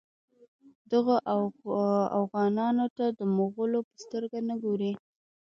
دغو اوغانانو ته د مغولو په سترګه نه ګوري.